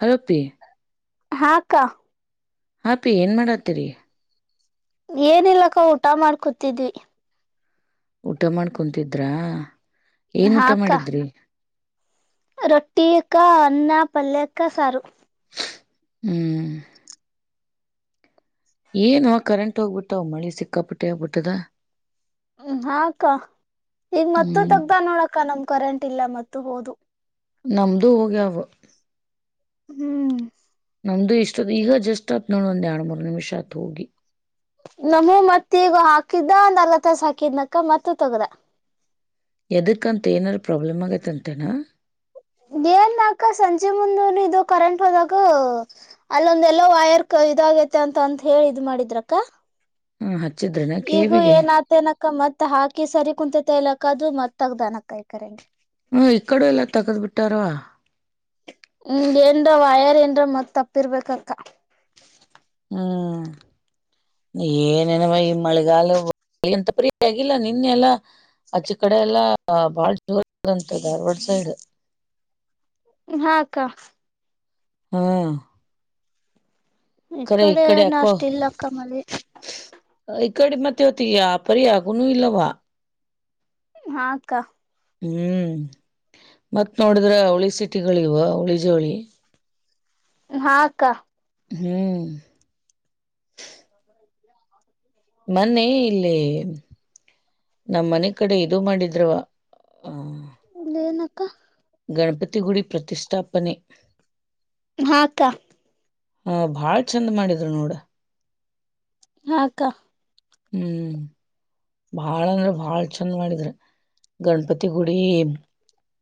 Hello ಅಪ್ಪಿ ಹಾ ಅಕ್ಕ ಹ ಅಪಿ ಏನ್ ಮಾಡತ್ತೀರಿ ಏನಿಲ್ಲಕ್ಕ ಊಟ ಮಾಡ್ಕೊತಿದ್ವಿ ಊಟ ಮಾಡಿ ಕುಂತಿದ್ರಾ ಏನ್ ಊಟ ಹಾಕ್ಕ ಮಾಡಿದ್ರಿ ರೊಟ್ಟಿ ಅಕ್ಕ ಅನ್ನ ಪಲ್ಯಕ್ಕ ಸಾರು ಹ್ಮ್ ಏನ್ವ ಕರೆಂಟ್ ಹೋಗ್ಬಿಟ್ಟ್ ಮಳಿ ಸಿಕ್ಕಾಪಿಟ್ಟೆ ಆಗ್ಬಿಟ್ಟದ ಹ್ಮ ಅಕ್ಕ ಈಗ ಮತ್ತ ಹ್ಮ್ ತಗ್ದ ನೋಡಕ್ಕ ನಮ್ ಕರೆಂಟ್ ಇಲ್ಲ ಮತ್ತು ಹೋದು ನಮ್ದು ಹೋಗ್ಯವು ಹ್ಮ್ ನಮ್ದು ಇಷ್ಟದ ಈಗ ಜಸ್ಟ್ ಆತ್ ನೋಡ್ ಒಂದ್ ಎರಡು ಮೂರು ನಿಮಿಷ ಆತ್ ಹೋಗಿ ನಮ್ಮೂ ಮತ್ತ ಈಗ ಹಾಕಿದ್ದ ನಲ್ಲಕ್ ತಾಸ ಹಾಕಿದನಕ ಮತ್ತ ತಗ್ದ ಯದಕ್ಕಂತ ಏನಾರೂ ಪ್ರಾಬ್ಲಮ್ ಆಗೈತಂತೇನಾ ಏನ್ನಾಕ ಸಂಜೆ ಮುಂದ ಇದು ಕರೆಂಟ್ ಹೋದಾಗ ಅಲ್ಲೊಂದ ಎಲ್ಲೋ ವೈರ್ ಕ ಇದ ತೆ ಅಂತ ಅಂತ ಹೇಳಿದ್ ಇದ್ದ್ ಮಾಡಿದ್ರಕ್ಕ ಹ್ಮ್ ಹಚ್ಚಿದ್ರನ ಈಗ ಕಿವಿಗೆ ಏನ್ ಆತನಕ್ಕ ಮತ್ ಹಾಕಿ ಸರಿ ಕುಂತತೆ ಇಲಕ್ಕ ಕದು ಮತ್ತ್ ತಗ್ದಂಕಾ ಈ ಕರೆಂಟ್ ಹ್ಮ ಈ ಕಡ ಎಲ್ಲ ತಗದ್ ಬಿಟ್ಟಾರವಾ ಹ್ಮ ಏನ್ ವೈಯರ್ ಏನ್ರ ಮತ್ ತಪ್ಪಿರ್ಬೇಕಕ್ಕ ಹ್ಮ್ ಏನ್ ಏನವ್ವ ಈ ಮಳೆಗಾಲ ಅ ಎಂತ ಪ್ರೀ ಆಗಿಲ್ಲ ನಿನ್ನೆ ಎಲ್ಲಾ ಅಚ್ಚಿ ಕಡೆ ಎಲ್ಲ ಬಾಳ ಜೋರ್ [unintelligible] ಡು ಹ ಅಕ್ಕ ಹ್ಮ ಕರ ಇ ಇಕ್ಕಡೆ ಕಡೆ ಯಾಕೋ ನಾಷ್ಟಿಲ್ಲ ಅಕ್ಕ ಮಳಿ ಕಡೆ ಮತ್ತೆ ಇತ್ತಿಗೆ ವ್ಯಾಪಾರಿ ಆಗುನ ಇಲ್ಲವಾ ಹ ಅಕ್ಕಾ ಹ್ಮ್ ಮತ್ತ್ ನೋಡಿದ್ರ ಅವಳಿ ಸಿಟಿಗಳಿವ ಅವಳಿ ಜೋಳಿ ಹ ಅಕ್ಕ ಹ್ಮ್ ಮನ್ನೆ ಇಲ್ಲಿ ನಮ್ಮ ಮನೆ ಕಡೆ ಇದು ಮಾಡಿದ್ರ್ ಏನಾಕ್ಕ ಗಣಪತಿಗುಡಿ ಪ್ರತಿಷ್ಠಾಪನೆ ಹ ಅಕ್ಕ ಹ ಭಾಳ್ ಚಂದ ಮಾಡಿದ್ರು ನೋಡ ಹ ಅಕ್ಕಾ ಹ್ಮ್ ಬಾಳ ಅಂದ್ರ ಬಾಳ್ ಚಂದ ಮಾಡಿದ್ರ ಗಣಪತಿ ಗುಡಿ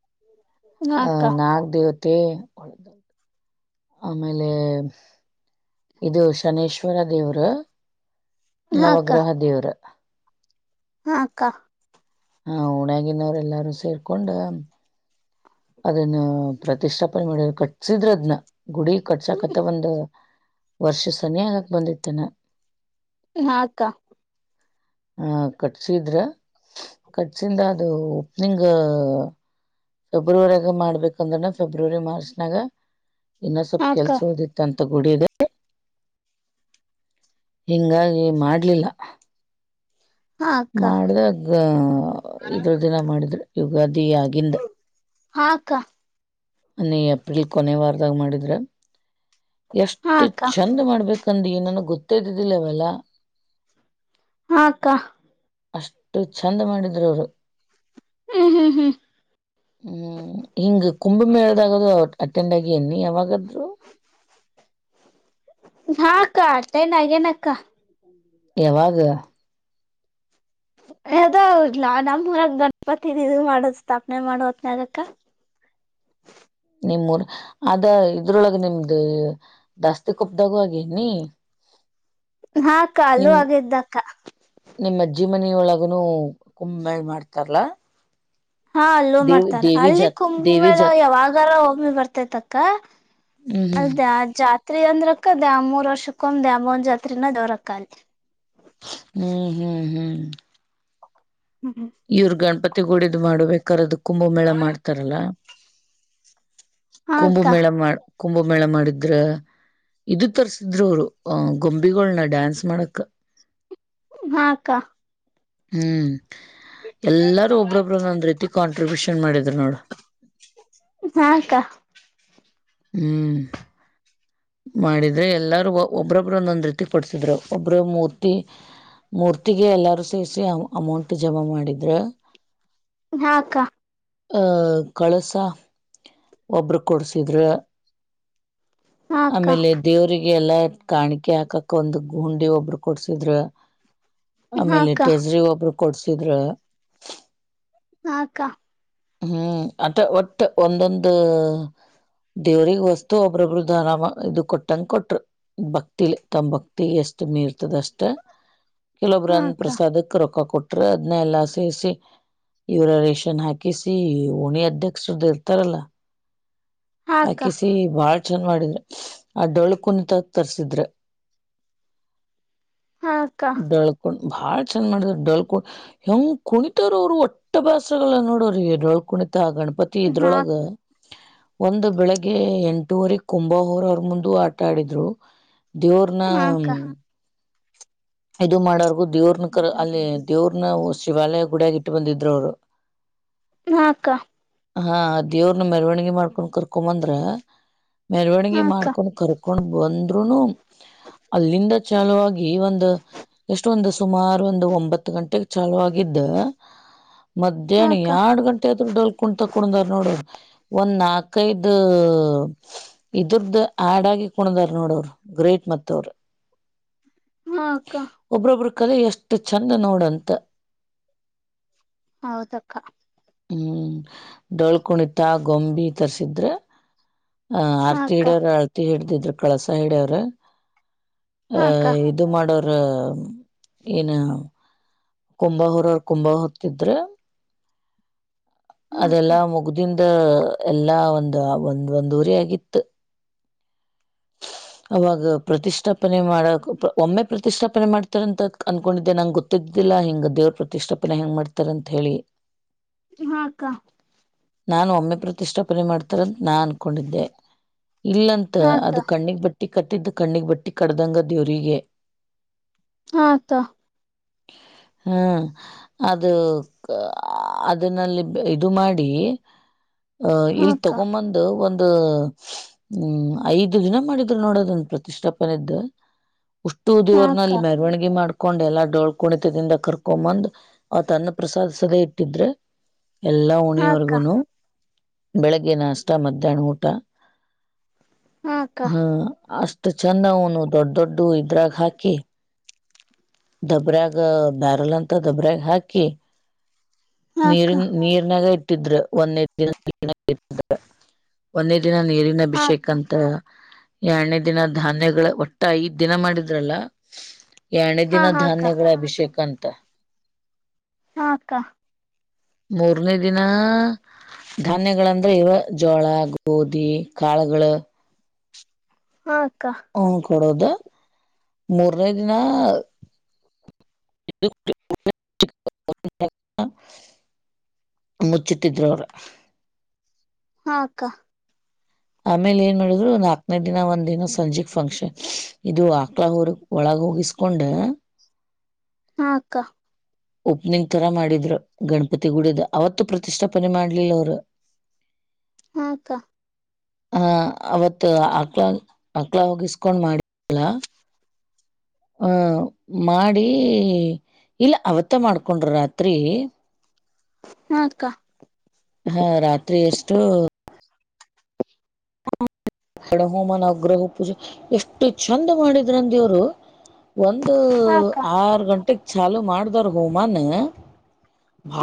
ಹ್ಮ್ [inaudible] ಹಾ ನಾಗದೇವತೆ ಆಮೇಲೆ ಇದು ಶನೇಶ್ವರ ದೇವ್ರು ಹಾ ಅಕ್ಕ ನವಗ್ರಹ ದೇವರು ಹಾ ಅಕ್ಕ ಹಾ ಊನಾಗಿನವರೆ ಎಲ್ಲಾರು ಸೇರ್ಕೊಂಡ ಅದನ್ನ ಪ್ರತಿಷ್ಠಾಪನೆ ಮಾಡಿದ ಕಟ್ಸಿದ್ರದ್ನ ಗುಡಿ ಕಟ್ಸಕತ್ತ ಒಂದು ವರ್ಷ ಸನಿಯಾ ಆಗಕ್ ಬಂದಿತ್ತೇನೆ ಹ ಅಕ್ಕ ಹ್ಮ ಕಟ್ಸಿದ್ರ ಕಟ್ಸಿಂದ ಅದು ಓಪ್ನಿಂಗ್ ಫೆಬ್ರವರಿಯಾಗ ಮಾಡ್ಬೇಕಂದ್ರನ ಫೆಬ್ರವರಿ ಮಾರ್ಚ್ನಾಗ ಇನ್ನ ಸ್ವಲ್ಪ ಹಾ ಅಕ್ಕ ಕೆಲ್ಸ ಉಳಿದಂತಾತ [unintelligible] ಹಿಂಗಾಗಿ ಮಾಡ್ಲಿಲ್ಲ ಮಾಡ್ದಾ ಅದು ಇದ್ರ ದಿನ ಮಾಡಿದ್ರಿ ಯುಗಾದಿ ಆಗಿಂದ ಹ ಅಕ್ಕ ಏಪ್ರಿಲ್ ಕೊನೆವಾರದಾಗ ಮಾಡಿದ್ರ ಹಾ ಎಷ್ಟು ಅಕ್ಕ ಚೆಂದ್ ಮಾಡ್ಬೇಕಂದ ನನ ಗೊತ್ತೇದ್ದಿಲ್ಲ ಇವೆಲ್ಲ ಹ ಅಕ್ಕ ಅಷ್ಟು ಚಂದ ಮಾಡಿದ್ರು ಅವರು ಹ್ಮ್ ಹ್ಮ್ ಹ್ಮ್ ಹ್ಮ್ ಹಿಂಗ್ ಕಂಭಮೇಳದಾಗದು [unintelligible] ನಿನ್ ಯಾವಾಗ ಹಾ ಅಕ್ಕ ಆಟೆನಗಿನಕ್ಕ ಯಾವಾಗ [inaudible] ನಮ್ಮ ಊರಾಗ ಗಣಪತಿ ಇದು ಮಾಡೋದ್ ಸ್ಥಾಪನೆ ಮಾಡೋದು ಹೋತನಗಾಕ್ಕ [inaudible] ನಿಮ್ಮೂರ್ ಅದ ಇದ್ರೊಳಗ ನಿಮ್ದ ದಾಸ್ತಿ ಕುಪ್ಪ್ದಾಗ ಆಗಿನಿ ಹಾ ಅಲ್ಲು ಆಗಿದ್ದಕ್ಕ ಒಳಗನು ಕುಂಬೆ ಮಾಡ್ತಾರಲ್ಲ ಹಾ ಅಲ್ಲೂ ಮಾಡ್ತಾರ ಅಲ್ಲಿ ಕುಂಭ ದೇವಿ ಮೇಳ ಜಾತ್ ಯಾವಾಗಾರ ಒಮ್ಮೆ ಬರ್ತೇತಕ್ಕ ಹ್ಮ್ ಅದೇ ಜಾತ್ ಅಂದ್ರಕ್ಕ ದಾಮೂರು ವರ್ಷಕ್ಕ ದಾಮೋನ್ ಜಾತ್ರಿಯೇ ಜೋರ್ ಅಕ್ಕ ಅಲ್ಲಿ ಹ್ಮ್ ಹ್ಮ್ ಹ್ಮ್ ಅಲ್ಲಿ ಇವ್ರ ಗಣಪತಿ ಗುಡಿದ್ ಮಾಡಬೇಕಾರರೆ ಅದು ಕುಂಬ ಮೇಳ ಮಾಡ್ತಾರಲ್ಲ ಹಾ ಅಕ್ಕ ಕುಂಭಮೇಳ ಮಾಡ ಕುಂಭಮೇಳ ಮಾಡಿದ್ರ ಇದು ತರ್ಸಿದ್ರು ಅವ್ರು ಗೊಂಬೆಗಳನ್ನ ಡ್ಯಾನ್ಸ್ ಮಾಡಕ್ ಹಾ ಅಕ್ಕ ಹ್ಮ್ ಎಲ್ಲಾರು ಒಬ್ರೊಬ್ರನ್ನ ಒಂದ್ ರೀತಿ ಕಾಂಟ್ರಿಬ್ಯೂಷನ್ ಮಾಡಿದ್ರು ನೋಡು ಹ ಅಕ್ಕ ಹ್ಮ್ ಮಾಡಿದ್ರೆ ಎಲ್ಲಾರೂ ಒಬ್ಬ್ರೊಬ್ಬರುನ್ನೊಂದ್ ರೀತಿ ಕೊಡ್ಸಿದ್ರು ಒಬ್ಬ್ರ ಮೂರ್ತಿ ಮೂರ್ತಿಗೆ ಎಲ್ಲಾರು ಸೇಸಿ ಅಮೌಂಟ್ ಜಮಾ ಮಾಡಿದ್ರ ಹ ಅಕ್ಕ ಅ ಕಳಸ ಒಬ್ಬರು ಕೊಡ್ಸಿದ್ರು ಹಾ ಅಕ್ಕ ಆಮೇಲೆ ದೇವರಿಗೆ ಎಲ್ಲಾ ಕಾಣಿಕೆ ಹಾಕಾಕ್ ಒಂದು ಹುಂಡಿ ಒಬ್ರು ಕೊಡ್ಸಿದ್ರ ಹಾ ಆಮೇಲೆ ಅಕ್ಕ ಟೆಜ್ರಿ ಒಬ್ರು ಕೊಡ್ಸಿದ್ರ ಹ ಅಕ್ಕ ಹ್ಮ್ ಆತ ಒಟ್ಟು ಒಂದೊಂದು ದೇವ್ರಿಗೆ ಹೊಸ್ತು ಒಬ್ಬ್ರೊಬ್ರು ನ ಇದು ಕೊಟ್ಟಂಗ ಕೊಟ್ರು ಭಕ್ತಿಲಿ ತಮ್ಮ್ ಭಕ್ತಿ ಎಷ್ಟು ಮೀರ್ ಷ್ಟ ಕೆಲೊಬ್ಬ್ರಂದ ಅಕ್ಕ ಪ್ರಸಾದಕ್ ರೊಕ್ಕ ಕೊಟ್ಟ ಅದನ್ನ ಎಲ್ಲ ಸ ಯುರರೇನ್ ಹಾಕ ಆಕಿಸಿ ಓಣಿ ಅಧ್ಯಕ್ಷರ್ದ ಇರ್ತಾರಲ್ಲ ಹಾ ಅಕ್ಕ ಆಕಿಸಿ ಬಾಳ ಚಂದ ಮಾಡಿನಿ ಆ ಡೋಳ ಕುಣಂತಾಗ ತರ್ಸಿದ್ರೆ ಹಾಕ್ಕಾ ಬಾಳ ಚಂದ ಮಾಡಿದ ಡಲ್ಕ ಹೆಂಗ ಕುಣಿತರು ಅವರು ಒಟ್ಟ ಭಾಸಗಳ ನೋಡೋರು ಇದ್ರೊಳ್ ಕುಣಿತ ಗಣಪತಿ ಹಾ ಇದ್ರೊಳಗ ಒಂದು ಬೆಳಿಗ್ಗೆ ಎಂಟುವರೆ ಕುಭಹೋರ ಅವ್ರ ಮುಂದ ಆಟ ಆಡಿದ್ರು ದೇವ್ರನ ಹಾ ಅಕ್ಕ ಇದು ಮಾಡರ್ಗು ದೇವ್ರನ ಕ ಅಲ್ಲಿ ದೇವ್ರನ ಶಿವಾಲಯ ಕೂಡಗ ಇಟ್ಟು ಬಂದಿದರು ಅವರು ಹಾಕ್ಕ ಹಾ ದೇವ್ರನ್ನ ಮರವಣಿಗೆ ಮಾಡ್ಕೊಂಡು ಕರ್ ಕಕೊಂಬಂದ್ರ ಮೆರವಣಗಿ ಹಾ ಅಕ್ಕ ಮಾಡ್ಕೊಂಡ್ ಕರ್ಕೊಂಡ್ ಬಂದ್ರುನು ಅಲ್ಲಿಂದ ಚಾಲುವ ಆಗ ಒಂದು ಎಷ್ಟ ಒಂದು ಸುಮಾರು ಒಂದು ಒಂಬತ್ತು ಗಂಟೆಗೆ ಚಾಲುವ ಆಗಿದ್ದ ಹಾ ಮಧ್ಯಾಹ್ನ ಅಕ್ಕ ಹಾ ಎರಡ್ ಗಂಟೆ ಆದತ್ರರು ಡಲ್ ಕುೊಂಡ್ ತಕೊಂಡಂದಾರ ನೋಡ್ರರು ಒಂದ್ ನಾಲ್ಕೈದು ಇದ್ರದು ಆಡ್ ಆಗಿ ಕುಣದಾರ್ ನೋಡೋರು ಗ್ರೇಟ್ ಮತ್ತವ್ರ ಹಾಕ್ಕ ಕಲ ಎಷ್ಟು ಚೆಂದ ನೋಡಂತ ಹೌದಕ್ಕ ಹ್ಮ್ ಡೋಳ್ ಕುಣಿತ ಗೊಂಬಿ ತರ್ಸಿದ್ರೆ ಹ ಹಾ ಆರ್ತಿ ಅಕ್ಕ ಹಿಡ್ಯವ್ರ ಆಳ್ತಿ ಹಿಡ್ದಿದ್ರು ಕಳಸ ಹಿಡ್ಯವ್ರ ಅಹ ಹಾ ಅಕ್ಕ ಇದು ಮಾಡೋರ ಏನ ಕುಂಬ ಹುರರ್ ಕುಂಬ ಹೊತ್ತಿದ್ರೆ ಹಾ ಅಕ್ಕ ಅದೆಲ್ಲಾ ಮುಗ್ದನ್ ಇದ ಎಲ್ಲಾ ಒಂದು ಒಂದ್ ಒಂದು್ ಊರಿ ಆಗಿತ್ತು ಅವಾಗ ಪ್ರತಿಷ್ಠಾಪನೆ ಮಾಡಕ್ ಒಮ್ಮೆ ಪ್ರತಿಷ್ಠಾಪನೆ ಮಾಡ್ತಾರ ಅಂತ ಅನ್ಕೊಂಡಿದ್ದೆ ನಂಗೆ ಗೊತ್ತಿದ್ದ ತಿಲ್ಲಾ ಹಿಂಗ್ ದೇವ್ರ್ ಪ್ರತಿಷ್ಠಾಪನೆ ಹೆಂಗ್ ಮಾಡ್ತಾರೆ ಅಂತ್ ಹೇಳಿ. ಹಾಕ್ಕಾ ನಾನು ಒಮ್ಮೆ ಪ್ರತಿ್ಾ ಕ ಮಾಡ್ತಾರಂತ ನಾ ಅನ್ಕೊಂಡಿದ್ದೆ ಇಲ್ಲಂತ ಹಾ ಅಕ್ಕ ಅದು ಕಣ್ಣಗ್ ಬಿಟ್ಟ ಟ್ಟಿ ಕಟ್ಟಿದ್ದು ಕಣ್ಣಿಗೆ ಬಟ್ಟಿ ಕಡ್ದಂಗ ದೇವರಿಗೆ ಹಾತ ಹ್ಮ ಅದು ಅದನ್ನಲ್ಲಿ ಇದು ಮಾಡಿ ಅಹ ಹಾ ಇಲ್ಲಿ ಅಕ್ಕ ತಗೊಂಡಂಬಂದು ಒಂದು ಹ್ಮ್ ಐದು ದಿನ ಮಾಡಿದ್ ನೋಡೋದ ಒಂದು ಪ್ರತಿಷ್ಠಾಪನೆ ಇದ್ದ ಉಷ್ಟು ಹಾ ದೇವರ್ನಲ್ಲಿ ಅಕ್ಕ ಮೆರವಣಿಗೆ ಮಾಡ್ಕೊಂಡು ಎಲ್ಲಾ ಡೋಳ್ಕ ಕುಣಿತದಿಂದ ಕರ್ಕೊಂಬಂದ್ ಆ ತನ್ನ ಪ್ರ್ರಸಾದ್ ಸದೆ ಇಟ್ಟಿದ್ರೆ ಎಲ್ಲಾ ಹಾ ಅಕ್ಕ ಉಣಿಯವರ್ಗುನು ಬೆಳಗ್ಗೆ ನಾಷ್ಟ ಮಧ್ಯಾಹ್ನ ಊಟ ಹಾ ಅಷ್ಟ ಚಂದ ಅವನು ದೊಡ್ಡ ದೊಡ್ಡ ಇದ್ರಾಗ ಹಾಕಿ ದಬ್ರಾಗ ಬ್ಯಾರಲ್ ಅಂತ ದೊಬ್ಬ್ರಾಗ ಹಾಕಿ ನೀರಿ ಹಾ ನೀರ್ನಾಗ ಇಟ್ಟ್ರೆ ಒಂದೇ ದಿನ ಒಂದೇ ದಿನ ನೀರಿನ ಅಭಿಷೇಕ ಅಕ್ಕ ಅಂತ ಎರಡನೇ ದಿನ ಧಾನ್ಯಗಳ ಒಟ್ಟ ಈದ್ ದಿನ ಮಾಡಿದ್ರಲ್ಲ ಎಣೆ ಹಾ ಅಕ್ಕ ಹಾ ಅಕ್ಕ ಹಾ ದಿನ ಹಾ ಅಕ್ಕ ಧಾನ್ಯಗಳ ಅಭಿಷೇಕ ಅಂತ ಹಾ ಅಕ್ಕಾ. ಮೂರನೇ ದಿನ ಧಾನ್ಯಗಳಂದ್ರೆ ಇವ ಜೋಳ ಗೋಧಿ ಕಾಳಗಳು ಹಾ ಹ್ಮ ಕೊಡೋದು ಮೂರನೇ ದಿನ [unintelligible] ಮುಚ್ಚಿಟ್ಟಿದ್ರವ್ರ ಹಾ ಅಕ್ಕ ಆಮೇಲೆ ಏನ್ ಮಾಡಿದ್ರು ಒಂದ್ ನಾಕನೇ ದಿನ ಒಂದ್ ದಿನ ಸಂಜೆಕ್ ಫಂಕ್ಷನ್ ಇದು ಆಕ್ಲ ಊರ್ ಒಳಗೋಗಿಸಕೊಂಡ ಹಾ ಅಕ್ಕ ಓಪನಿಂಗ್ ತರ ಮಾಡಿದ್ರು ಗಣಪತಿ ಗುಡ್ದ ಅವತ್ತು ಪ್ರತಿಷ್ಠಾಪನೆ ಮಾಡ್ಲಿಲ್ಲ ಅವರು [inaudible] ಹ್ಮ್ ಅಕ್ಕ ಹ ಅವತ್ ಆಕ್ಲ ಆಕ್ಲ ಹೋಗಿಸಕೊಂಡ್ ಮಾಡಲ್ಲ ಹ ಮಾಡಿ ಇಲ್ಲ ಅವತ್ತ ಊಟ ಮಾಡ್ಕೊಂಡ್ರ ರಾತ್ರಿ ಹ್ಮ್ ಅಕ್ಕ ಹಾ ರಾತ್ರಿ ಎಷ್ಟು ಎಣ ಹೋಮಾನಗ್ರಹ ಪೂಜೆ ಎಷ್ಟು ಚೆಂದ ಮಾಡಿದ್ರಂದ ದವರು ಒಂದು ಹಾ ಅಕ್ಕ ಆರು ಗಂಟೆೆಗೆ ಚಾಲು ಮಾಡಿದಾರ ಹೋಮನ್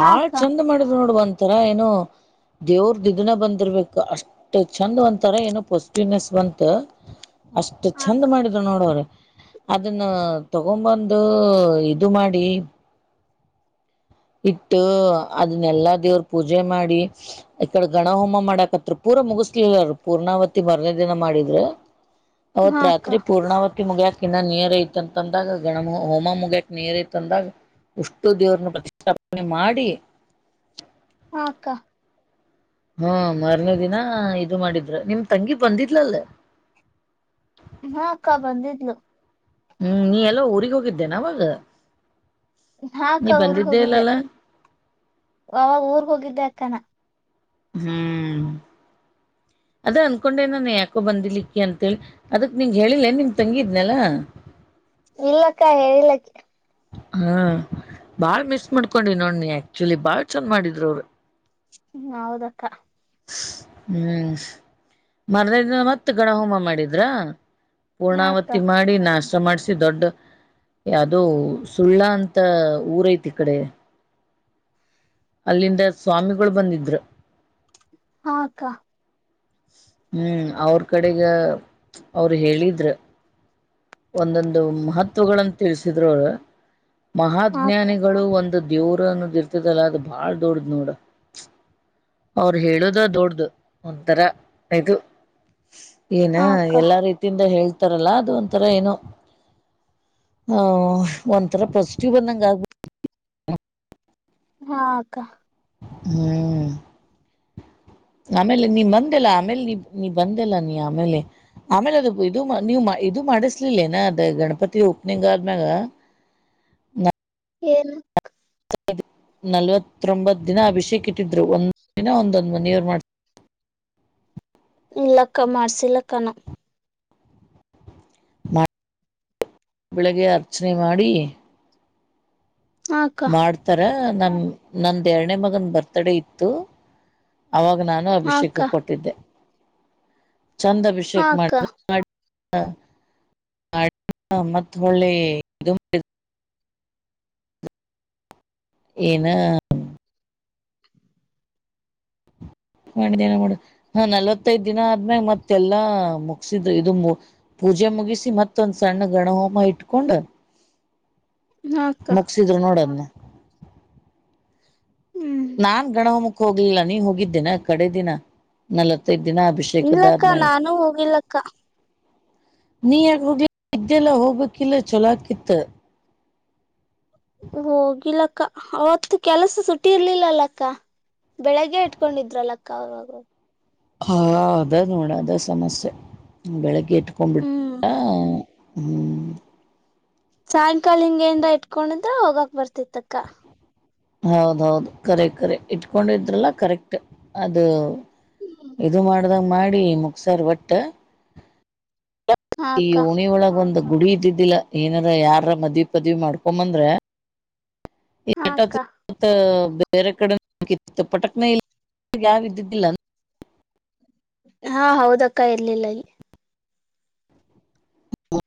ಹಾ ಅಕ್ಕ ಚಂದ ಮಾಡಿದ್ರು ನೋಡ್ ಒಂತರ ಏನು ದೇವ್ರ್ದ ಇದನ ಬಂದಿರ್ಬೇಕು ಅಷ್ಟ್ ಚಂದ್ ಒಂತಾರ ಏನೋ ಪೊಸಿಟಿವ್ನೆಸ್ ಬಂತ ಅಷ್ಟ್ ಹಾ ಚಂದ ಅಕ್ಕ ಮಾಡಿದ್ರು ನೋಡವ್ರಿ ಅದನ್ನ ತಗೊಂಬಂದು ಇದು ಮಾಡಿ ಇಟ್ಟು ಅದನ್ನೆಲ್ಲಾ ದೇವ್ರ ಪೂಜೆ ಮಾಡಿ ಈಕಡೆ ಗಣ ಹೋಮ ಮಾಡಕತ್ರ ಪೂ ಪೂರ ಮುಗಿಸ್ಲಿಲ್ಲರು ಪೂರ್ಣಾವತಿ ಬರ್ನೇದಿನ ಮಾಡಿದ್ರ ಹದ ಹಾ ಅಕ್ಕ ರತ್ರಿ ಪೂರ್ಣಾವತಿ ಮುಗ ಕ ನೀರ್ ಐತಂತಂದಾಗ ಗಣ ಹೋಮ ಮುಗ್ಯಕ ನೀರ್ ಐತ ಅಂದಾಗ ಉಷ್ಟು ದೇವ್ರ ಪ್ರತಿ ಸ್ಪಣೆ ಮಾಡಿ ಹಾಕ್ಕಾ ಹಾ ಮಾರ್ನೇ ದಿನ ಇದು ಮಾಡಿದ್ರು ನಿಮ್ ತಂಗಿ ಬಂದಿದ್ಲಲ್ಲೇ ಹ ಅಕ್ಕ ಬಂದಿದ್ಲು ಹ್ಮ್ ನೀ ಎಲ್ಲ ಊಗ್ ಹೋಗಿದ್ದೇನೆವಾಗ ನಾ ಅಕ್ಕ ಊರ್ ಹೋಗಿದ್ದೆ ಅವಾಗ ಊರ್ ಹೋಗಿದ್ದೆ ಅಕ್ಕಾನ ಹ್ಮ್ ಅದ್ರ ಅನ್ಕೊಂಡೆ ನಾನ ಯಾಕೋ ಬಂದಿಲಿಕ್ಕಿ ಅಂತೇಳಿ ಅದಕ್ ನಿಂಗ ಹೇಳಿಲ್ಲೇ ನಿಮ ತಂಗಿದ್ನಲ್ಲ ಇಲ್ಲಕ್ಕ ಹೇಳಲಕ್ಕ ಹಾ ಬಾಳ್ ಮಿಸ್ ಮಾಡ್ಕೊಂಡಿ ನೋಡ್ ನೀ ಆಕ್ಚುಲಿ ಬಾಳ್ ಚಂದ ಮಾಡಿದ್ರು ಅವರು ಹೌದಕ್ಕ ಹ್ಮ್ ಮರದಿನ ಮತ್ತ ಗಣಹೋಮ ಮಾಡಿದ್ರ ಹಾ ಅಕ್ಕ ಪೂರ್ಣಾವತಿ ಮಾಡಿ ನಾಶ ಮಾಡ್ಸಿ ದೊಡ್ಡ ಅದೋ ಸುಳ್ಳ ಅಂತ ಊರಐತಿ ಈ ಕಡೆ ಅಲ್ಲಿಂದ ಸ್ವಾಮಿಗಳು ಬಂದಿದ್ರು ಹಾಕ್ಕ ಹ್ಮ್ ಅವ್ರ ಕಡೆಗ ಅವರು ಹೇಳಿದ್ರ ಒಂದೊಂದು ಮಹತ್ವಗಳನ್ನ ತಿಳಸಿದ್ರು ಹಾ ಅಕ್ಕ ಮಹಾಜ್ಞಾನಿಗಳು ಒಂದು ದೇವರ ಅನ್ನೋದು ಇರ್ತದಲ್ಲ ಅದು ಬಾಳ್ ದೊಡ್ದ್ ನೋಡ ಅವರು ಹೇಳುದ ದೊಡ್ದ ಒಂಥರ ಇದು ಏನ ಹಾ ಅಕ್ಕ ಎಲ್ಲಾ ರೀತಿಯಿಂದ ಹೇಳ್ತಾರಲ್ಲಾ ಅದು ಒಂತ ತರ ಏನೋ ಆ ಒಂತಾರ ಪಾಸಿಟಿವ್ ಬಂದಂಗ ಆಗ್ಬ ಹಾ ಅಕ್ಕ ಹ್ಮ್ ಆಮೇಲೆ ನೀ ಬಂದೆಲ್ಲ ಆಮೇಲೆ ನೀ ಬಂದೆಲ್ಲ ನೀ ಆಮೇಲೆ ಆಮೇಲೆ ಅದು ಇದು ನೀ ಇದು ಮಾಡಿಸ್ಲಿಲ್ಲನ ಅದ ಗಣಪತಿ ಓಪನಿಂಗ್ ಆದ್ಮ್ಯಾಗ ನ ಏನ್ ನಲ್ವತ್ತೊಂಬತ್ತು ದಿನ ಅಭಿಷೇಕ್ ಇಟ್ಟಿದ್ರು ಒಂದ ದಿನ ಒಂದೊಂದು್ ಮನೆಯವರು ಮಾಡ ಇಲ್ಲಕ್ಕ ಮಾಡ್ಸಿಲ್ಲಕ್ಕಾನ ಬೆಳಿಗ್ಗೆ ಅರ್ಚನೆ ಮಾಡಿ ಹಾ ಅಕ್ಕ ಮಾಡ್ತಾರ ನಮ ನಂದ ಎರಡನೇ ಮಗನ್ ಬರ್ತ್ಡೇ ಇತ್ತು ಅವಾಗ ನಾನು ಹಾ ಅಕ್ಕ ಅಭಿಷೇಕ ಕೊಟ್ಟಿದ್ದೆ ಚಂದ್ ಹಾ ಅಭಿಷೇಕ್ ಮಾಡ ಅಕ್ಕ ಹ ಮತ್ ಒಳ್ಳೆ ಇ ಏನ ಮಾಡೇನ ಮಾಡ ಹ ನಲ್ವತ್ತೈದ್ ದಿನ ಆದ್ಮೇಾಗ ಮತ್ತೆಲ್ಲಾ ಮುಗಸಿದ ಇದು ಪೂಜೆ ಮುಗಿಸಿ ಮತ್ತೊಂದ್ ಸಣ್ಣ ಗಣಹೋಮ ಇಟ್ಕೊಂಡ ಹಾ ಅಕ್ಕ ಮುಗಸಿದ್ರು ನೋಡನ್ನ ಹ್ಮ್ ನಾನ್ ಗಣಹೊಮಕ್ಕೆ ಹೋಗ್ಲಿಲ್ಲ ನೀ ಹೋಗಿದ್ದೇನೆ ಕಡೆ ದಿನ ನಲತ್ ತ ದಿನ ಅಭಿಷೇಕ ಅದ ಇಲ್ಲಕ್ಕ ಮ ನಾನು ಹೋಗಿಲ್ಲಕ್ಕ ನೀ ಯಗ ಹೋಗ್ಲಿ ಇದ್ದೆಲ್ಲ ಹೋಗ್ಕ್ಕಿಲ್ಲ ಚಛೊಲಾಕಿತ್ತ ಹೋಗಿಲ್ಲಕ್ಕ ಅವತ್ತು ಕೆಲಸ ಸುಟ್ಟಿ ಇರ್ಲಿಲ್ಲಲ್ಲಕ್ಕ ಬೆಳಿಗ್ಗೆ ಇಟ್ಕೊಂಡಿದ್ರಲ್ಲಕ್ಕ ಅವಾಗವ ಹಾ ಅದ ನೋಡ ಅದ ಸಮಸ್ಯೆ ಬೆಳಗ್ಗೆ ಇಟ್ಕೊಂಡ್ಬಿಟ್ಟ ಹ್ಮ್ ಹ್ಮ್ ಸಾಯಂಕಾಲ ಹಿಂಗೇಂದ ಇಟ್ಕೊಂಡಿದ್ರ ಹೋಗಕ್ ಬರ್ತಿತ್ತಕ್ಕ ಹೌದೌದು ಕರೆ ಕರೆ ಇಟ್ಕೊಂಡಿದ್ರಲ್ಲ ಕರೆಕ್ಟ್ ಅದು ಇದು ಮಾಡ್ದಾಗ ಮಾಡಿ ಮುಕ್ಸರ್ ಒಟ್ಟ ಹಾ ಈ ಅಕ್ಕ ಉಣಿ ಒಳಗೆ ಒಂದು ಗುಡಿ ಇದ್ದಿದ್ದಿಲ್ಲ ಏನಾರ ಯಾರ ಮದ್ವಿ ಪದವಿ ಮಾಡ್ಕೊಂಬಂದ್ರ ಈ ಹಾ ಅಕ್ಕ ಎಟತ್ತು ಬೇರೆ ಕಡೆತ್ತು ಪಟಕ್ನೇ ಇಲ್ಲ ಯಾವ ಇದ್ದಿದ್ದಿಲ್ಲ ಹಾ ಹೌದಕ್ಕ ಇರ್ಲಿಲ್ಲಾಗಿ ಹ್ಮ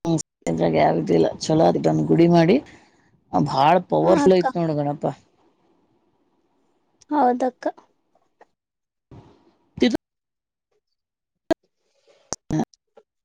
ಇದ್ರಾಗ ಯಾವ ಇಲ್ಲ ಚಲೋಂದು ಗುಡಿ ಮಾಡಿ ಬಾಳ ಹಾ ಪವರ್ಫುಲ್ ಅಕ್ಕ ಯತ್ ನೋಡ ಗಣಪಾ ಹೌದಕ್ಕ ತಿದು